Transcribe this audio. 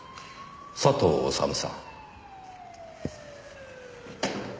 佐藤修さん。